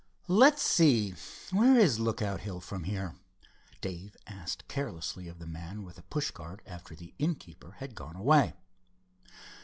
"Let's see, where is Lookout Hill from here?" Dave asked carelessly of the man with the pushcart, after the inn keeper had gone away.